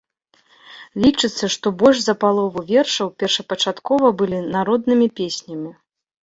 Лічыцца, што больш за палову вершаў першапачаткова былі народнымі песнямі.